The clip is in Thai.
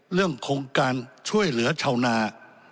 เรื่องของการช่วยเหลือชาวนา